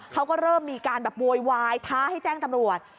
เขาก็เริ่มมีการแบบโวยวายท้าให้แจ้งตำรวจ